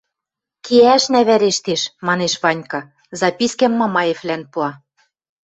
Кеӓшнӓ вӓрештеш, — манеш Ванька, запискӓм Мамаевлӓн пуа.